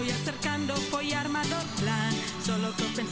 asistennya mana asisten